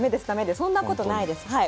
そんなことはないです。